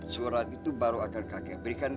surat itu baru akan kakek berikan